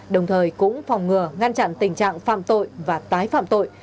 đồng thời cũng phòng ngừa ngăn chặn tình trạng phạm tội và tái phạm tội